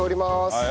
はい。